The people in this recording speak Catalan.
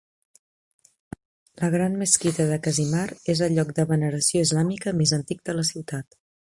La gran mesquita de Kazimar és el lloc de veneració islàmica més antic de la ciutat.